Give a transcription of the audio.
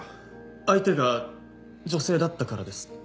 相手が女性だったからです。